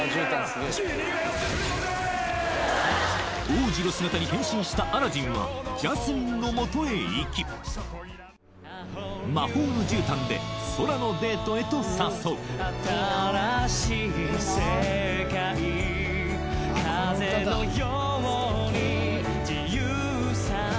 王子の姿に変身したアラジンはジャスミンのもとへ行き魔法のじゅうたんで空のデートへと誘う新しい世界風のように自由さ